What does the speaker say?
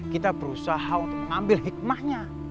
kita berusaha untuk mengambil hikmahnya